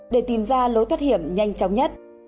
để tìm ra lối thoát hiểm nhanh chóng nhất